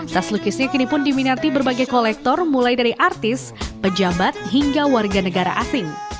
tas lukisnya kini pun diminati berbagai kolektor mulai dari artis pejabat hingga warga negara asing